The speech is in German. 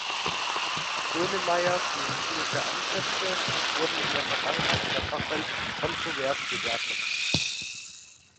Grönemeyers medizinische Ansätze wurden in der Vergangenheit in der Fachwelt kontrovers bewertet.